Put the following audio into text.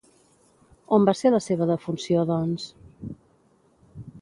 On va ser la seva defunció, doncs?